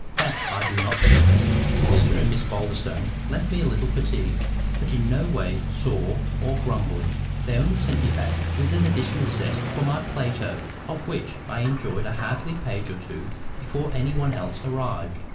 That I do not respect. Mr and Miss Boulderstone left me a little fatigued, but in no way sore or grumbling. They only sent me back with additional zest to my Plato, of which I enjoyed a hearty page or two before any one else arrived.